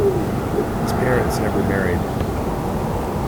His parents never married.